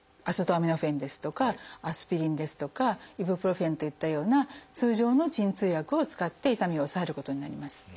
アセトアミノフェンですとかアスピリンですとかイブプロフェンといったような通常の鎮痛薬を使って痛みを抑えることになります。